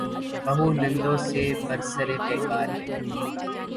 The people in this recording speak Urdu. بہو نندوں سے برسر پیکار ہے۔